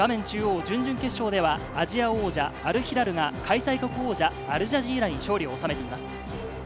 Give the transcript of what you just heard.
中央、準々決勝ではアジア王者アルヒラルが開催国王者アルジャジーラに勝利をおさめています。